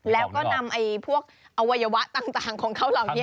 แล้วก็นำพวกอวัยวะต่างของเขาเหล่านี้